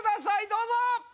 どうぞ！